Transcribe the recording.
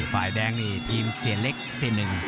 ฝ่ายแดงนี่ทีมเสียเล็กเสียหนึ่ง